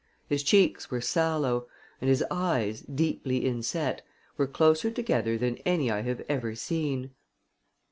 His cheeks were sallow; and his eyes, deeply inset, were closer together than any I have ever seen.